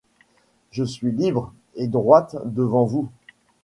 Je suis libre et droite devant vous !